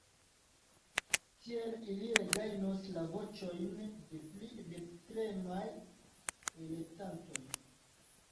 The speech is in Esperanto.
Tiel ili regajnos la voĉojn de pli dekstremaj elektantoj.